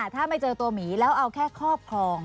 ถ้าไม่เจอตัวหมีแล้วเอาแค่ครอบครอง